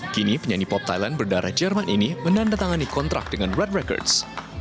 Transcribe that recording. kini penyanyi pop thailand berdarah jerman ini menandatangani kontrak dengan red records